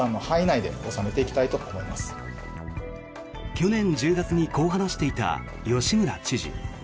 去年１０月にこう話していた吉村知事。